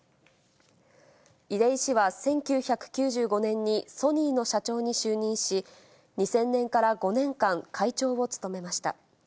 出井氏は、１９９５年にソニーの社長に就任し、２０００年から５年間、会長を務めました。